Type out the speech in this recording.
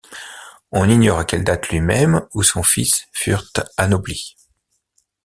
On ignore à quelle date lui-même ou son fils furent anoblis.